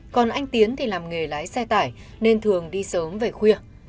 còn anh tiến thì làm nghề lái xe tải nên thường đi sớm về khuya